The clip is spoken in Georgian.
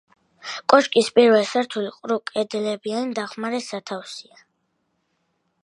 კოშკის პირველი სართული ყრუკედლებიანი დამხმარე სათავსია.